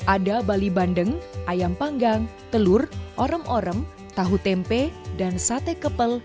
ada bali bandeng ayam panggang telur orem orem tahu tempe dan sate kepel